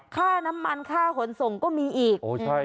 ค่าน้ำมันค่าขนส่งก็มีอีก